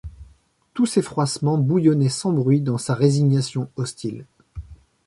Tous ses froissements bouillonnaient sans bruit dans sa résignation hostile.